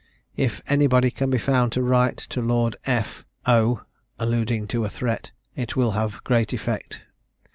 If anybody can be found to write to Lord F. 0. (alluding to a threat), it will have great effect.